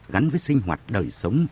gắn với sinh hoạt đời sống